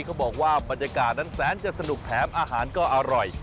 เขาบอกว่าบรรยากาศนั้นแสนจะสนุกแถมอาหารก็อร่อย